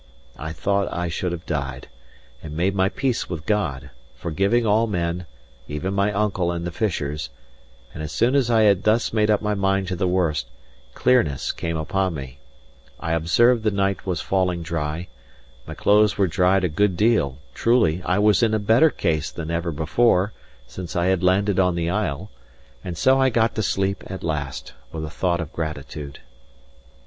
I thought I should have died, and made my peace with God, forgiving all men, even my uncle and the fishers; and as soon as I had thus made up my mind to the worst, clearness came upon me; I observed the night was falling dry; my clothes were dried a good deal; truly, I was in a better case than ever before, since I had landed on the isle; and so I got to sleep at last, with a thought of gratitude.